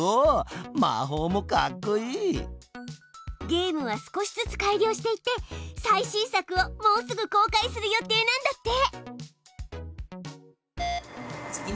ゲームは少しずつ改良していって最新作をもうすぐ公開する予定なんだって。